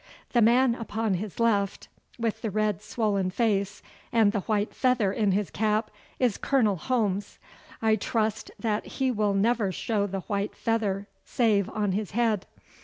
The man upon his left, with the red swollen face and the white feather in his cap, is Colonel Holmes. I trust that he will never show the white feather save on his head.